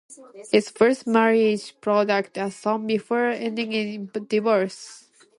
His first marriage produced a son before ending in divorce.